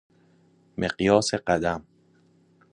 مقیاس قدم